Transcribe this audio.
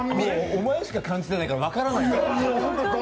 お前しか感じてないから、誰も分からない。